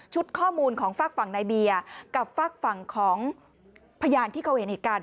ข้อมูลของฝากฝั่งในเบียร์กับฝากฝั่งของพยานที่เขาเห็นเหตุการณ์